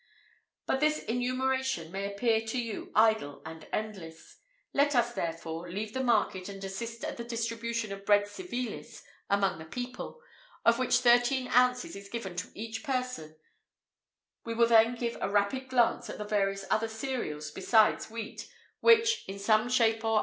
[IV 75] But this enumeration may appear to you idle and endless; let us, therefore, leave the market and assist at the distribution of bread civilis among the people, of which thirteen ounces is given to each person;[IV 76] we will then give a rapid glance at the various other cereals besides wheat, which, in some shape or other, are converted into food.